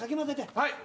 はい。